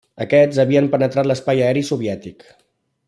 Aquests havien penetrat l'espai aeri soviètic.